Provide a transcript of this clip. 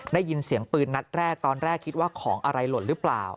ได้ยินเสียงปืนนัดแรกตอนแรกคิดว่าของอะไรหล่นหรือเปล่า